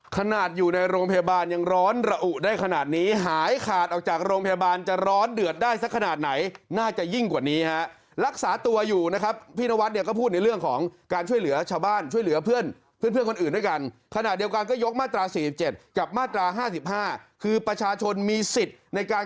เข้าได้ไหมก็เข้าไม่ได้จะไปหาหมอก็เข้าไม่ได้